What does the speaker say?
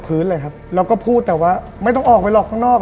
เราก็พูดแต่ว่าไม่ต้องออกไปหรอกข้างนอก